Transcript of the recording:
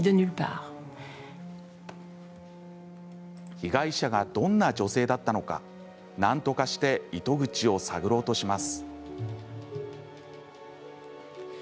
被害者がどんな女性だったのかなんとかして糸口を探ろうとします。